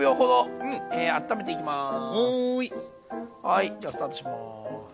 はいじゃスタートします。